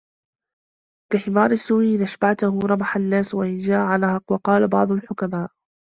كَحِمَارِ السُّوءِ إنْ أَشْبَعْتَهُ رَمَحَ النَّاسَ وَإِنْ جَاعَ نَهَقْ وَقَالَ بَعْضُ الْحُكَمَاءِ